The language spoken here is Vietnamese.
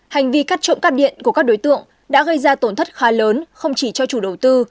hành vi cắt trộm cắt điện của các đối tượng đã gây ra tổn thất khá lớn không chỉ cho chủ đầu tư